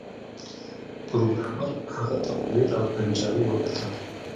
پروګرامر هغه ته په ویره او کنجکاوی وکتل